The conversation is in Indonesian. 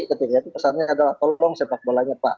ketika itu pesannya adalah tolong sepak bolanya pak